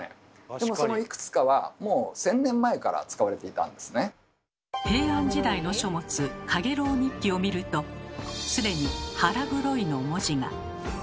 でもそのいくつかはもう平安時代の書物「蜻蛉日記」を見るとすでに「腹黒い」の文字が。